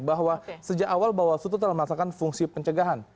bahwa sejak awal bawaslu itu telah merasakan fungsi pencegahan